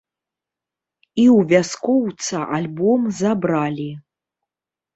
І ў вяскоўца альбом забралі.